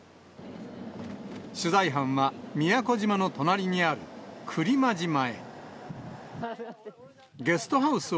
取材班は、宮古島の隣にある来間島へ。